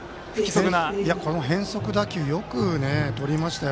この変則打球、よくとりましたよ